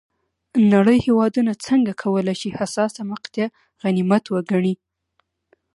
نړۍ هېوادونه څنګه کولای شي حساسه مقطعه غنیمت وګڼي.